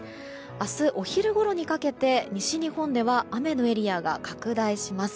明日、お昼ごろにかけて西日本では雨のエリアが拡大します。